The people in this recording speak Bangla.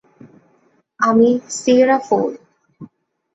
আমি সিয়েরা ফোর।